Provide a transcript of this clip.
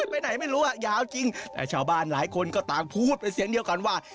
ไปไหนไม่รู้อ่ะยาวจริงแต่ชาวบ้านหลายคนก็ต่างพูดเป็นเสียงเดียวกันว่า